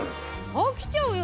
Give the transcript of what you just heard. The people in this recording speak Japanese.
飽きちゃうよ